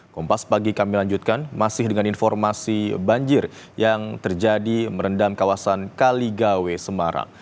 kompas pagi kami lanjutkan masih dengan informasi banjir yang terjadi merendam kawasan kaligawe semarang